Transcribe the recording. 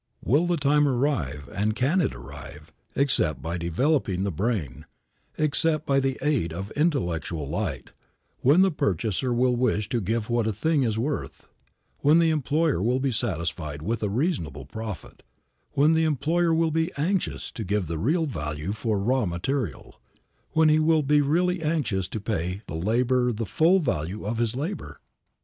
Will the time arrive, and can it arrive, except by developing the brain, except by the aid of intellectual light, when the purchaser will wish to give what a thing is worth, when the employer will be satisfied with a reasonable profit, when the employer will be anxious to give the real value for raw material; when he will be really anxious to pay the laborer the full value of his labor?